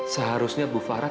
seharusnya bu farah